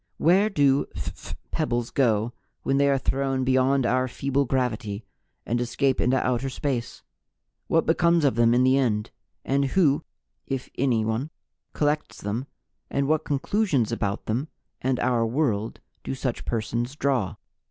"Where do phph pebbles go when they are thrown beyond our feeble gravity and escape into outer space? What becomes of them in the end? And who, if anyone, collects them, and what conclusions about them and our world do such persons draw?"